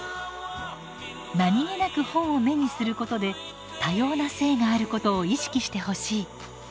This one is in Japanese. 何気なく本を目にすることで多様な性があることを意識してほしい。